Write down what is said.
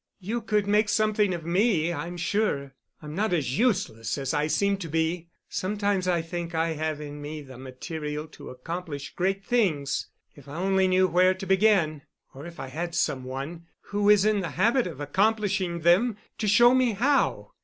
You could make something of me, I'm sure. I'm not as useless as I seem to be; sometimes I think I have in me the material to accomplish great things—if I only knew where to begin, or if I had some one who is in the habit of accomplishing them to show me how.